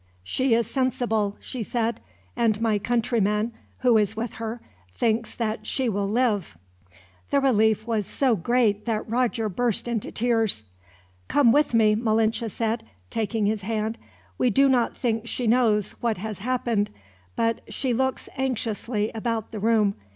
"She is sensible," she said, "and my countryman, who is with her, thinks that she will live." The relief was so great that Roger burst into tears. "Come with me," Malinche said, taking his hand. "We do not think she knows what has happened, but she looks anxiously about the room.